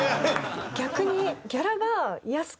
逆に。